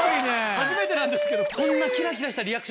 初めてなんですけど。